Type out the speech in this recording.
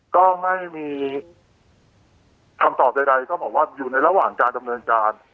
ก็ไม่มีคำตอบใดต้องบอกว่าอยู่ในระหว่างการดำเนินการ